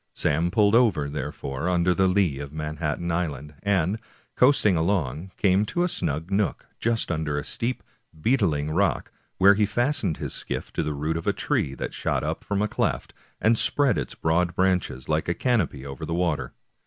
Sam pulled over, therefore, under the lee of Manhattan Island, and, coasting along, came to a snug nook, just under a steep, beetling rock, where he fastened his skiff to the root of a tree that shot out from a cleft, and spread its broad branches like a canopy over tha water.